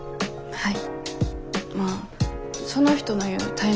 はい。